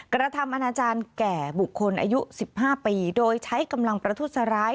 กระทำอนาจารย์แก่บุคคลอายุ๑๕ปีโดยใช้กำลังประทุษร้าย